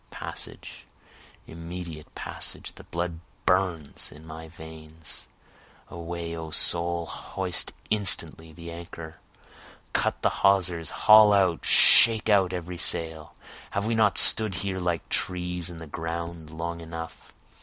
Passage, immediate passage! the blood burns in my veins! Away O soul! hoist instantly the anchor! Cut the hawsers haul out shake out every sail! Have we not stood here like trees in the ground long enough?